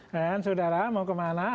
dan saudara mau kemana